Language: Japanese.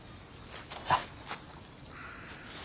さあ。